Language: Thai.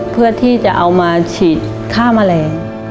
เพื่อที่จะเอามาฉีดค่าแมลง